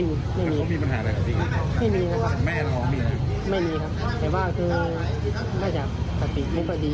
ยังไม่มีไม่มีครับไม่มีครับไม่มีครับแต่ว่าคือไม่จากสติมุมก็ดี